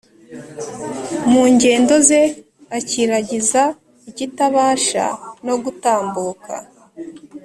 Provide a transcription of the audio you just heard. mu ngendo ze, akiragiza ikitabasha no gutambuka;